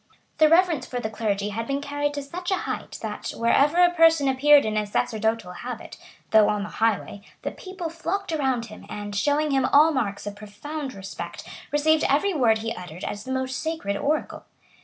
[*] The reverence for the clergy had been carried to such a height, that, wherever a person appeared in a sacerdotal habit, though on the highway, the people flocked around him, and, showing him all marks of profound respect, received every word he uttered as the most sacred oracle.